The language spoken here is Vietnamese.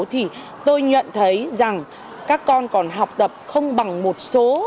thì tôi nhận thấy rằng các con còn học tập không bằng một số